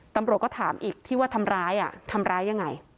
ตำรวจก็ถามอีกที่ว่าทำร้ายทำร้ายยังไง